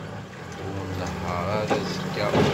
Ur nnehheṛ ara azekka.